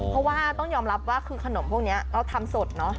เพราะว่าต้องยอมรับว่าคือขนมพวกนี้เราทำสดเนอะ